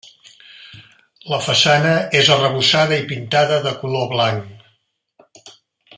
La façana és arrebossada i pintada de color blanc.